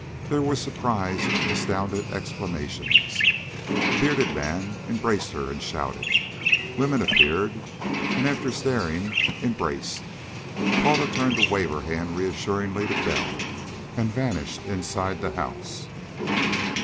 There were surprised, astounded exclamations: A bearded man embraced her and shouted. Women appeared and, after staring, embraced. Paula turned to wave her hand reassuringly to Bell, and vanished inside the house.